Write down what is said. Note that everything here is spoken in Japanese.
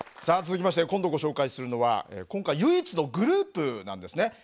さあ続きまして今度ご紹介するのは今回唯一のグループなんですね。